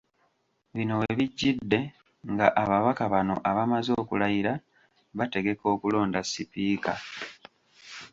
Bino webijjidde nga ababaka bano abamaze okulayira bategeka okulonda Sipiika